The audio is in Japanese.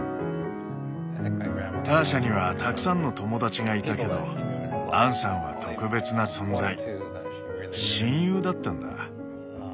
ターシャにはたくさんの友だちがいたけどアンさんは特別な存在親友だったんだ。